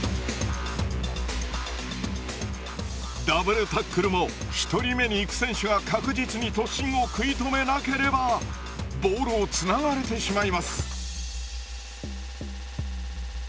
ダブルタックルも１人目に行く選手が確実に突進を食い止めなければボールをつながれてしまいます。